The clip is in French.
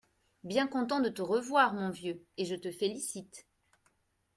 Bien content de te revoir, mon vieux, et je te félicite.